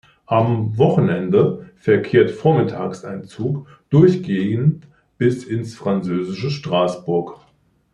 Am Wochenende verkehrt vormittags ein Zug durchgehend bis ins französische Straßburg.